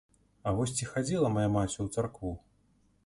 А вось ці хадзіла мая маці ў царкву?